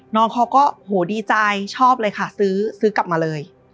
น้องเขาก็โหดีใจชอบเลยค่ะซื้อซื้อกลับมาเลย